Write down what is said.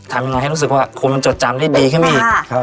ทำยังไงให้รู้สึกว่าคนมันจดจำได้ดีขึ้นมาอีก